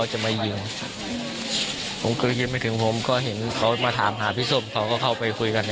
บุกมะกราดยิงถึงที่บ้านมีน้องผู้หญิงคนหนึ่งเกือบจะโดนลูกหลงไปด้วยนะคะ